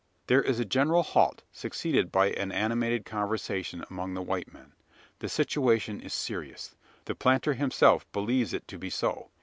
There is a general halt, succeeded by an animated conversation among the white men. The situation is serious: the planter himself believes it to be so.